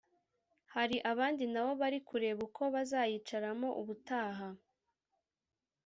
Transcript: hari abandi nabo bari kureba uko bazayicaramo ubutaha